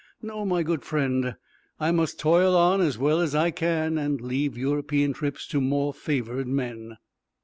"No, my good friend, I must toil on as well as I can, and leave European trips to more favored men."